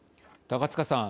高塚さん。